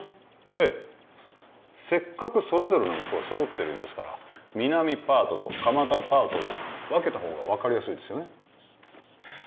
ええせっかくそれぞれの息子が揃ってるんですから皆実パートと鎌田パートで分けた方が分かりやすいですよね